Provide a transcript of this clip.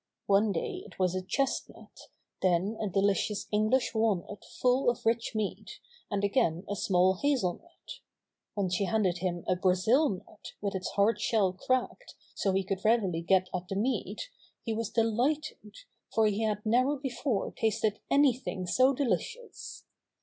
One day it was a chestnut, then a delicious English walnut full of rich meat, and again a small hazelnut. When she handed him a Brazil nut, with its hard shell cracked so he could readily get at the meat, he was delighted, for he had never before tasted anything so delicious.